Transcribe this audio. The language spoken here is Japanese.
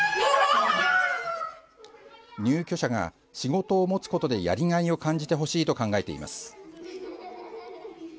入居者が仕事を持つことでやりがいを感じてほしいと考えています。